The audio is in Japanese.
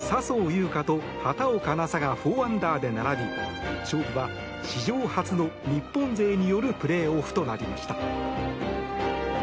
１８ホールを終え笹生優花と畑岡奈紗が４アンダーで並び勝負は史上初の日本勢によるプレーオフとなりました。